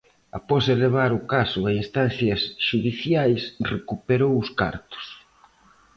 Após elevar o caso a instancias xudiciais recuperou os cartos.